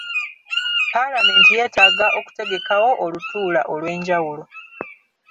Palamenti yeetaaga okutegekawo olutuula olw’enjawulo.